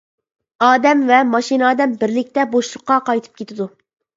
ئادەم ۋە ماشىنا ئادەم بىرلىكتە بوشلۇققا قايتىپ كېتىدۇ.